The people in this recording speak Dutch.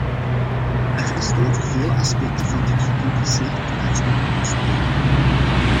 Er is over vele aspecten van dit gecompliceerde vraagstuk gesproken.